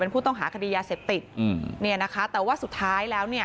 เป็นผู้ต้องหาคดียาเสพติกแต่ว่าสุดท้ายแล้ว